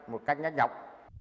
một cách nhắc nhàng